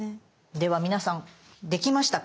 では皆さんできましたか？